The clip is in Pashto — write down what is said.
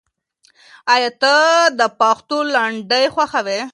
آیا ته د پښتو لنډۍ خوښوې؟